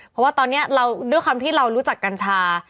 เพราะว่าตอนนี้เราด้วยความที่เรารู้จักกัญชา